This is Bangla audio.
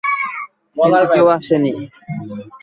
কিন্তু কেউ আসেনি।